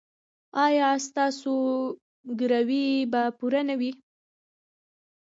ایا ستاسو ګروي به پوره نه وي؟